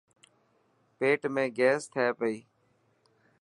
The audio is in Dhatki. پيٽ ۾ گيس ٿي پئي.